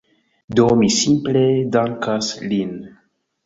Do mi simple dankas lin